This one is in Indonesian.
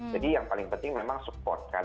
jadi yang paling penting memang support kan